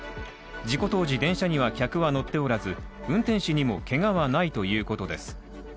事故当時、電車には客は乗っておらず運転士にもけがはないということです。